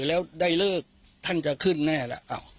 แล้วได้เลิกท่านจะขึ้นแน่แล้ว